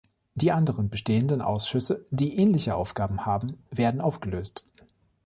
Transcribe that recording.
Die anderen bestehenden Ausschüsse, die ähnliche Aufgaben haben, werden aufgelöst.